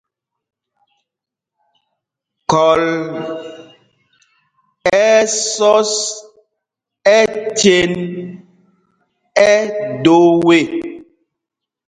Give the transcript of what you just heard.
Khɔl ɛ́ ɛ́ sɔs ɛcen ɛ do ê.